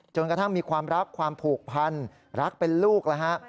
กระทั่งมีความรักความผูกพันรักเป็นลูกแล้วฮะ